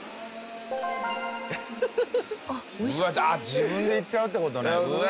自分でいっちゃうって事ね。